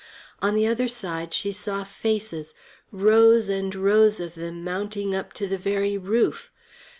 On the other side she saw faces, rows and rows of them mounting up to the very roof.